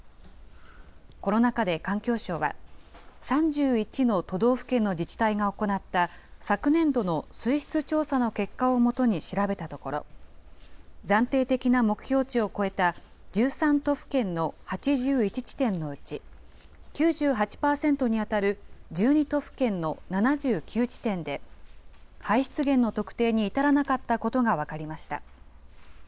この中で環境省は、３１の都道府県の自治体が行った昨年度の水質調査の結果をもとに調べたところ、暫定的な目標値を超えた１３都府県の８１地点のうち、９８％に当たる１２都府県の７９地点で、排出源の特定に至らなかったことが分かりました。